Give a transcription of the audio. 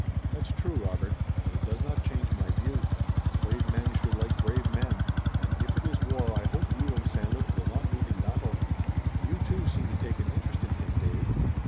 "That's true, Robert, but it does not change my view. Brave men should like brave men, and if it is war I hope you and St. Luc will not meet in battle." "You, too, seem to take an interest in him, Dave."